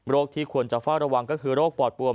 ที่ควรจะเฝ้าระวังก็คือโรคปอดปวม